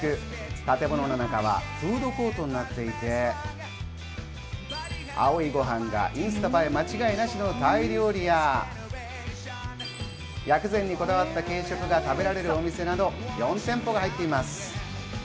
建物の中はフードコートになっていて、青いご飯がインスタ映え間違いなしのタイ料理や、薬膳にこだわった定食が食べられるお店など４店舗入っています。